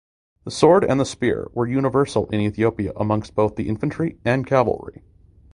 The sword and spear were universal in Ethiopia amongst both the infantry and cavalry.